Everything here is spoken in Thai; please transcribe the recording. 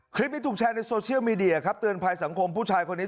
คลิปนี้ถูกแชร์ในโซเชียลมีเดียครับเตือนภัยสังคมผู้ชายคนนี้